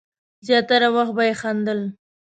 زیاتره وخت به یې خندل.